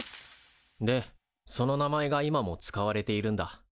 でその名前が今も使われているんだ。